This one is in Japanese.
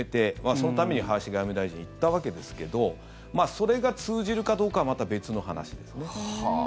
そのために林外務大臣行ったわけですけどそれが通じるかどうかはまた別の話ですね。